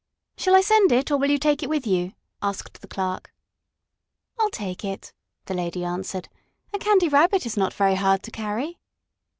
"Shall I send it or will you take it with you?" asked the clerk. "Ill take it," the lady answered. "A Candy Rabbit is not very hard to carry."